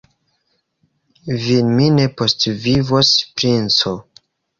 Vin mi ne postvivos, princo!